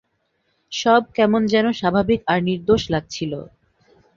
সব কেমন যেন স্বাভাবিক আর নির্দোষ লাগছিল।